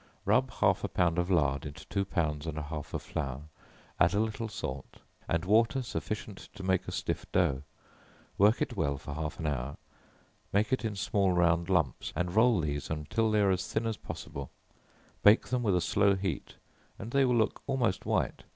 Rub half a pound of lard into two pounds and a half of flour, add a little salt and water sufficient to make a stiff dough: work it well for half an hour, make it in small round lumps, and roll these until they are as thin as possible; bake them with a slow heat and they will look almost white.